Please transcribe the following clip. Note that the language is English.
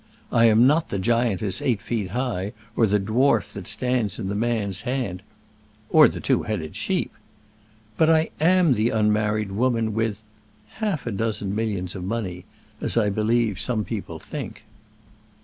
I am not the giantess eight feet high, or the dwarf that stands in the man's hand, " "Or the two headed sheep " "But I am the unmarried woman with half a dozen millions of money as I believe some people think.